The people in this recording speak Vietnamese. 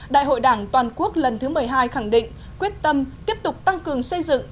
đại hội đảng toàn quốc lần thứ một mươi hai khẳng định quyết tâm tiếp tục tăng cường xây dựng